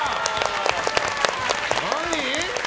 何？